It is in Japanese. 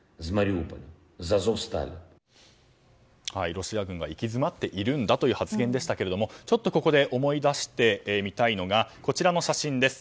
ロシア軍が行き詰っているんだという発言でしたがちょっと、ここで思い出してみたいのがこちらの写真です。